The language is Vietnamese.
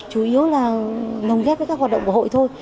chủ yếu là lồng ghép với các hoạt động của hội thôi